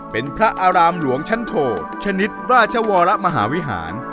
เป็นพระอารามหลวงชั้นโทชนิดราชวรมหาวิหาร